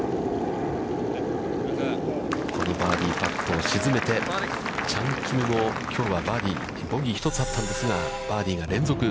このバーディーパットを沈めて、チャン・キムもきょうはバーディー、ボギー一つあったんですが、バーディーが連続。